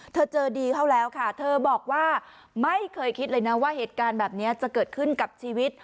เธอเจอดีเข้าแล้วค่ะเธอบอกว่าไม่เคยคิดเลยนะว่าเหตุการณ์แบบนี้จะเกิดขึ้นกับชีวิต